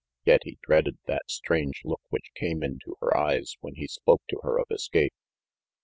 Yet he dreaded that strange look which came into her eyes when he spoke to her of escape.